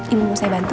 ibu mau saya bantu